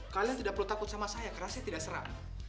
kalian tidak perlu takut sama saya karena saya tidak serang